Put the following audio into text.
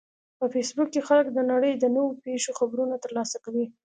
په فېسبوک کې خلک د نړۍ د نوو پیښو خبرونه ترلاسه کوي